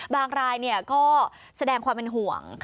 รายก็แสดงความเป็นห่วง